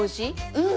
うん！